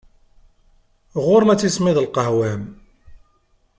Ɣur-m ad tismiḍ lqahwa-m!